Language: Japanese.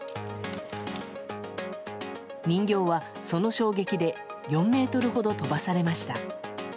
人形はその衝撃で４ｍほど飛ばされました。